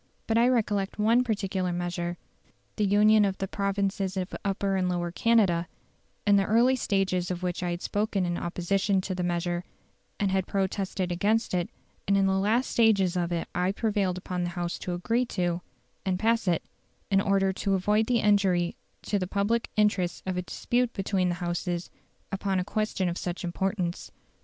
But I recollect one particular measure, the union of the provinces of Upper and Lower Canada, in the early stages of which I had spoken in opposition to the measure, and had protested against it; and in the last stages of it I prevailed upon the House to agree to, and pass it, in order to avoid the injury to the public interests of a dispute between the Houses upon a question of such importance.